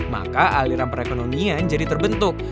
maka aliran perekonomian jadi terbentuk